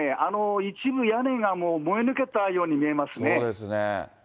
一部屋根がもう燃え抜けたように見えますね。